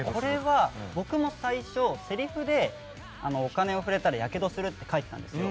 僕も最初せりふでお金に触れたらやけどするって書いてあったんですよ。